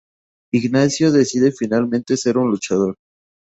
Ignacio decide finalmente ser un luchador.